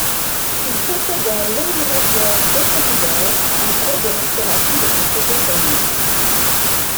Il possède un Land Rover Defender en cours de restauration depuis plusieurs années.